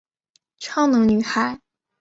超能女孩。